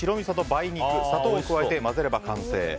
梅肉砂糖を加えて混ぜれば完成。